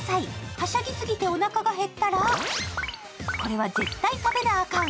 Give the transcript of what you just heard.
はしゃぎすぎて、おなかが減ったら、これは絶対食べなあかん、